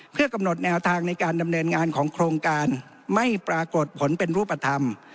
เพื่อกำหนดแนวทางในการดำเนินงานของโครงการไม่ปรากฏผลเป็นรูปธรรม